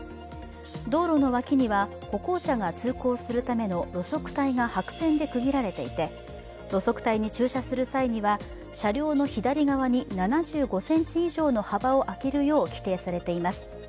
道路の脇には歩行者が通行するための路側帯が白線で区切られていて路側帯に駐車する際には車両の左側に７５ｃｍ以上の幅をあけるよう規定されています。